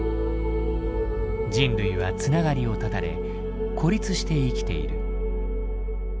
人類は繋がりを断たれ孤立して生きている。